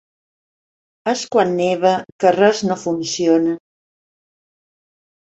És quan neva que res no funciona.